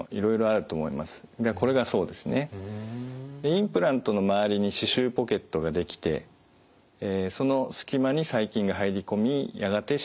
インプラントの周りに歯周ポケットが出来てそのすき間に細菌が入り込みやがて歯石がつきます。